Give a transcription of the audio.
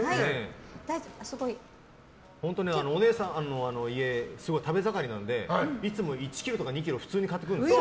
本当に、おねえさんの家食べ盛りなのでいつも１ｋｇとか２ｋｇ普通に買ってくるんですよ。